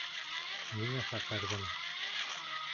Ниңә саҡырҙың?